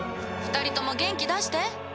２人とも元気出して。